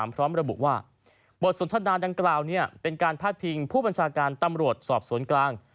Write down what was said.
พร้อมระบุว่าบทสนทนาดังกล่าวเป็นการพาดพิงผู้บัญชาการตำรวจสอบสวนกลาง